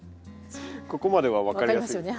ここまでは分かります。